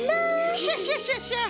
クシャシャシャシャ！